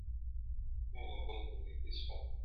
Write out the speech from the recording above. یو له بله تبریکۍ سوې اتڼونه -